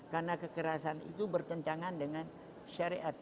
karena kekerasan itu bertentangan dengan syariat